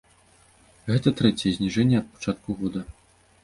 Гэта трэцяе зніжэнне ад пачатку года.